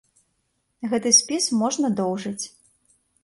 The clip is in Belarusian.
Гэты спіс можна доўжыць.